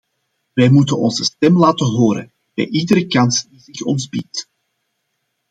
Wij moeten onze stem laten horen, bij iedere kans die zich ons biedt.